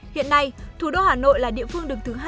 hiện nay thủ đô hà nội là địa phương đứng thứ hai